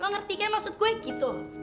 gak ngerti kan maksud gue gitu